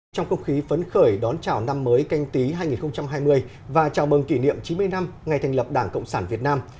trong không khí phấn khởi đón chào năm mới canh tí hai nghìn hai mươi và chào mừng kỷ niệm chín mươi năm ngày thành lập đảng cộng sản việt nam